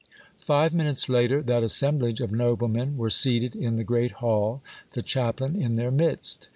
Five minutes later that assemblage of noblemen were seated in the great hall, the chaplain in their midst.